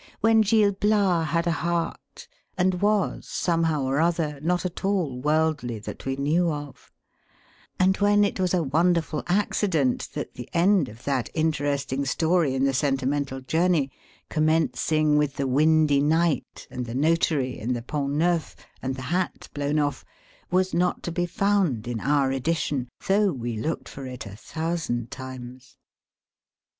When Gil Bias had a heart, and was, somehow V(JL. VI. 145 302 HOUSEHOLD WOKDS. [Conducted by °r other, not at all worldly that \ve knew of : and when it was a wonderful accident that the end of that interesting story in the Sentimental • Journey, commencing with the windy night, and the notary, and the Pont Neuf, and the hat blown off, was not to be found iu our Edition though we looked for it a thousand times.